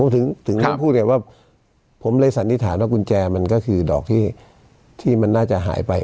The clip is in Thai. ถึงท่านพูดไงว่าผมเลยสันนิษฐานว่ากุญแจมันก็คือดอกที่มันน่าจะหายไป